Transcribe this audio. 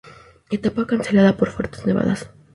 Etapa cancelada por fuertes nevadas.